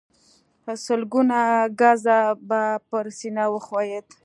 سلګونه ګزه به پر سينه وښويېد.